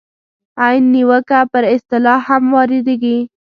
عین نیوکه پر اصطلاح هم واردېږي.